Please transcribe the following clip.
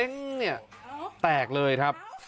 เนี่ยแตกเลยครับ